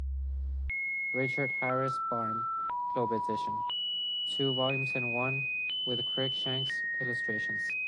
Richard Harris Barham Globe Edition, Two volumes in one, with Cruikshanks' Illustrations.